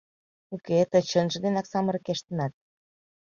— Уке, тый чынже денак самырыкештынат.